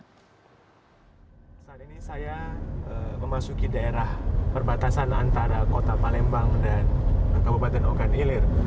saat ini saya memasuki daerah perbatasan antara kota palembang dan kabupaten ogan ilir